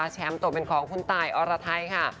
แชมป์ตกเป็นของคุณตายอรไทยค่ะ